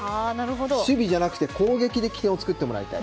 守備じゃなくて攻撃で起点を作ってもらいたい。